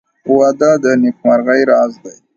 • واده د نېکمرغۍ راز دی.